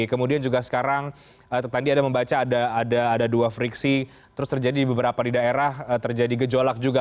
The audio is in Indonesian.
kemudian juga sekarang tadi ada membaca ada dua friksi terus terjadi di beberapa di daerah terjadi gejolak juga